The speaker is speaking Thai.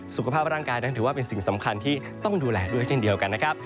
สุขภาพร่างกายนั้นถือว่าเป็นสิ่งสำคัญที่ต้องดูแลด้วยเช่นเดียวกันนะครับ